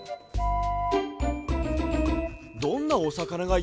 どんなおさかながいたんだい？